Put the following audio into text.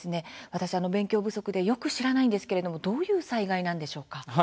私、勉強不足でよく知らないんですけれどもどういう災害なんでしょうか？